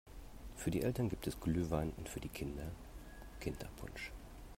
Für die Eltern gibt es Glühwein und für die Kinder Kinderpunsch.